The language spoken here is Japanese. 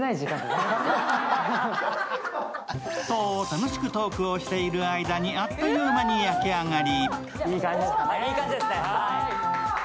楽しくトークをしている間にあっという間に焼き上がり。